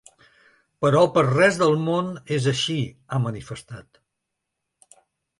Però per res del món és així, ha manifestat.